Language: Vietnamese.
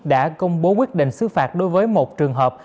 đã công bố quyết định xứ phạt đối với một trường hợp